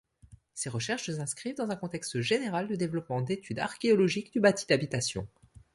Ces recherches s'inscrivent dans un contexte général de développement d'études archéologiques du bâti d'habitation.